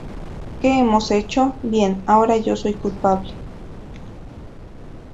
¿ Qué hemos hecho? ¡ bien! ¡ ahora yo soy culpable!